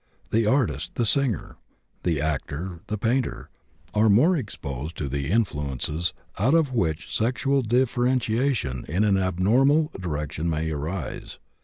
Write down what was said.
The artist, the singer, the actor, the painter, are more exposed to the influences out of which sexual differentiation in an abnormal direction may arise.